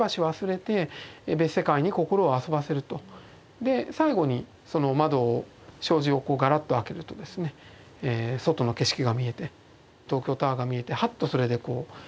で最後にその窓を障子をガラッと開けるとですね外の景色が見えて東京タワーが見えてはっとそれで我に返るといいますか。